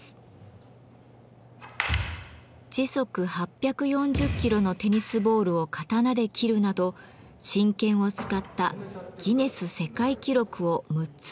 時速８４０キロのテニスボールを刀で斬るなど真剣を使ったギネス世界記録を６つ持っている現代の侍です。